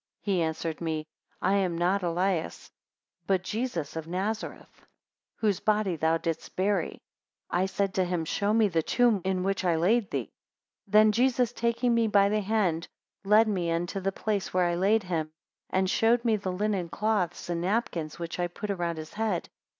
He answered me, I am not Elias, but Jesus of Nazareth, whose body thou didst bury. 23 I said to him, show me the tomb in which I laid thee. 24 Then Jesus, taking me by the hand, led me unto the place where I laid him, and showed me the linen clothes, and napkin which I put round his head.